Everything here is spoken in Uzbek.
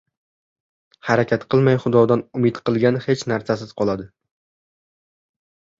• Harakat qilmay Xudodan umid qilgan hech narsasiz qoladi.